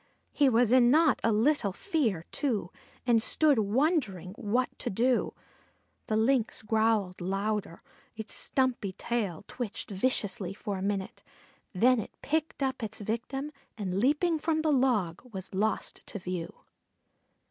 He was in not a little fear, too, and stood wondering what to do. The Lynx growled louder; its stumpy tail twitched viciously for a minute, then it picked up its victim, and leaping from the log was lost to view.